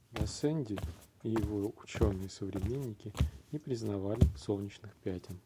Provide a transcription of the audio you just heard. Гассенди и его ученые современники не признавали солнечных пятен.